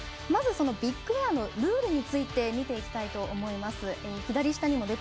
まずビッグエアのルールについて見ていきたいと思います。